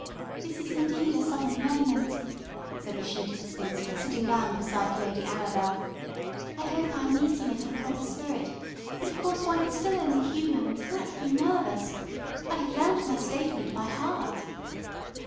"This is indeed a solemn moment," said the sheeted spinster sitting down beside Lady Arabel. "I hope I am meeting it in a proper spirit, but of course one is still only human, and naturally nervous. I have learned my statement by heart."